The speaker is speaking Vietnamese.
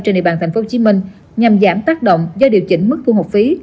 trên địa bàn tp hcm nhằm giảm tác động do điều chỉnh mức thu học phí